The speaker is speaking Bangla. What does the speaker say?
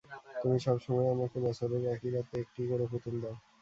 তুমি সবসময় আমাকে বছরের একই রাতে একটি করে পুতুল দাউ।